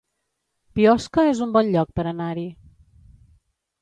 Biosca es un bon lloc per anar-hi